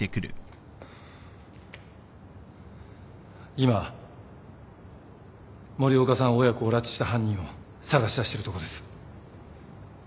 今森岡さん親子を拉致した犯人を捜し出してるとこです。